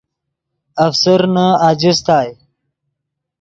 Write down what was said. افسرنے اجستائے